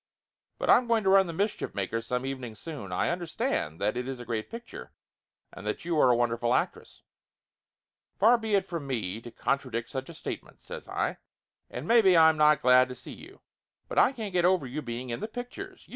But I'm going to run The Mischief Makers some evening soon. I understand that it is a great picture, and that you are a wonderful actress." "Far be it from me to contradict such a statement," says I. "And maybe I'm not glad to see you! But I can't get over you being in the pictures